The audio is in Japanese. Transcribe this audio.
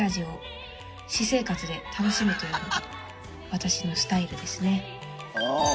私のスタイルですね。